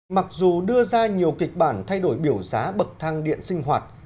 mặc dù đưa ra nhiều kịch bản thay đổi biểu giá bậc thang điện sinh hoạt